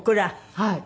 はい。